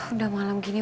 udah malam gini